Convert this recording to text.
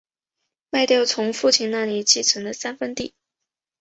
卖掉从父亲那里继承的三分地